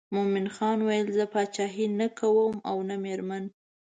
مومن خان ویل زه پاچهي نه کوم او نه مېرمن.